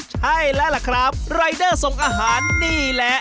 ใช่แล้วล่ะครับรายเดอร์ส่งอาหารนี่แหละ